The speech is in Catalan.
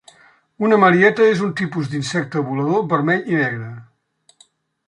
Una marieta és un tipus d'insecte volador vermell i negre.